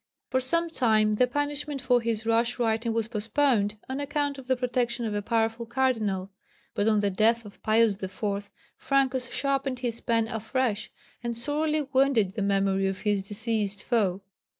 For some time the punishment for his rash writing was postponed, on account of the protection of a powerful Cardinal; but on the death of Pius IV. Francus sharpened his pen afresh, and sorely wounded the memory of his deceased foe.